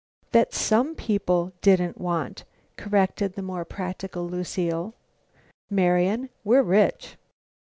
"That some people didn't want!" corrected the more practical Lucile. "Marian, we're rich!"